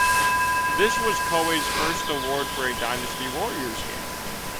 This was Koei's first award for a Dynasty Warriors game.